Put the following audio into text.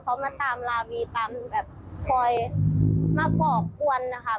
เขามาตามลาวีตามแบบคอยมาก่อกวนนะคะ